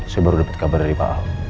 saya baru dapat kabar dari pak ahok